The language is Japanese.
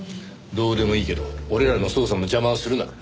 どうでもいいけど俺らの捜査の邪魔をするな。